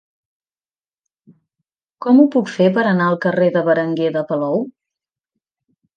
Com ho puc fer per anar al carrer de Berenguer de Palou?